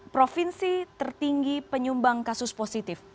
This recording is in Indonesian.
provinsi tertinggi penyumbang kasus positif